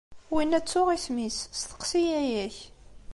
Winna ttuɣ isem-is, steqsi yaya-k.